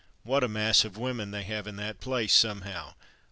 What a mass of women they have in that place, somehow!